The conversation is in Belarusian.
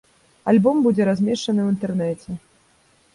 Альбом будзе размешчаны ў інтэрнэце.